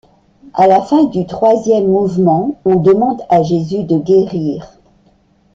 À la fin du troisième mouvement on demande à Jésus de guérir.